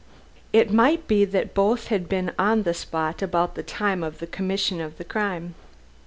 It might be that both had been on the spot about the time of the commission of the crime.